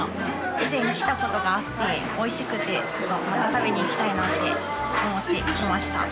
以前来たことがあっておいしくてちょっとまた食べに行きたいなって思って来ました。